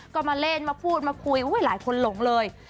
ก็มาเล่นมาพูดมาคุยหลายคนหลงเลย